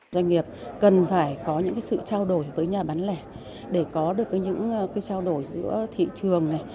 doanh nghiệp cần phải có những sự trao đổi với nhà bán lẻ để có được những trao đổi giữa thị trường này